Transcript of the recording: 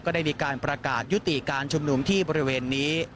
ได้มีการประกาศยุติการชุมนุมที่บริเวณนี้